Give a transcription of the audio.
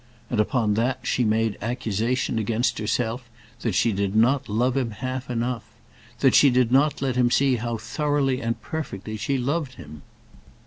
And upon that she made accusation against herself that she did not love him half enough, that she did not let him see how thoroughly and perfectly she loved him.